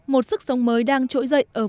một sức sống mới đang trỗi dậy ở vùng cát